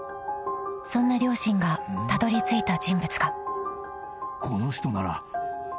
［そんな両親がたどりついた人物が］